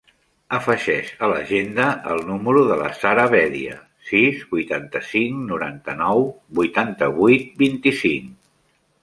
Afegeix a l'agenda el número de la Sara Bedia: sis, vuitanta-cinc, noranta-nou, vuitanta-vuit, vint-i-cinc.